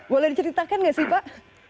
boleh diceritakan nggak sih pak